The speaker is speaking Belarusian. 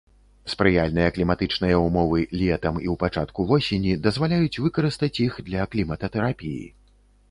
Спрыяльныя кліматычныя ўмовы летам і ў пачатку восені дазваляюць выкарыстаць іх для клімататэрапіі.